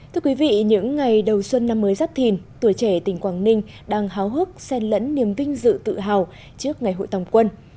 thưa quý vị những ngày đầu xuân năm mới giáp thìn tuổi trẻ tỉnh quảng ninh đang háo hức sen lẫn niềm vinh dự tự hào trước ngày hội tòng quân